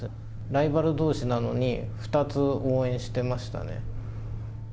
ライバルどうしなのに、２つ応援してましたね。